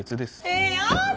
えっやだ！